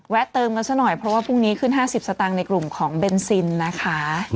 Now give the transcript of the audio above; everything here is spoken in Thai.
เติมกันซะหน่อยเพราะว่าพรุ่งนี้ขึ้น๕๐สตางค์ในกลุ่มของเบนซินนะคะ